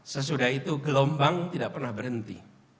sesudah itu gelombang tidak pernah berhenti